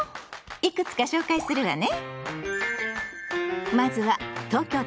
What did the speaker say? いくつか紹介するわね。